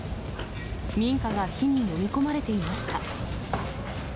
民家が火に飲み込まれていました。